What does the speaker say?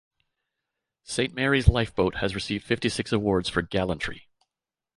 Saint Mary's Lifeboat has received fifty-six awards for gallantry.